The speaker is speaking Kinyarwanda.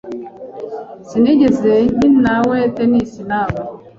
Sinigeze nkinawe tennis nawe .